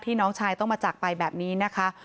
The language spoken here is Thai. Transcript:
น้องชายต้องมาจากไปแบบนี้นะคะ